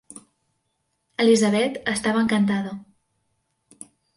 Elizabeth estava encantada.